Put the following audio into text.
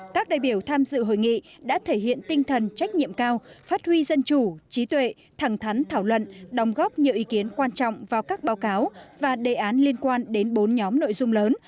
các đại biểu tham dự hội nghị đã thể hiện tinh thần trách nhiệm cao phát huy dân chủ trí tuệ thẳng thắn thảo luận đồng góp nhiều ý kiến quan trọng vào các báo cáo và đề án liên quan đến bốn nhóm nội dung lớn